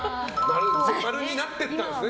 ○になっていったんですね。